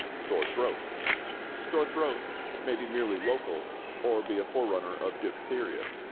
=Sore Throat.= Sore throat may be merely local or be a forerunner of diphtheria.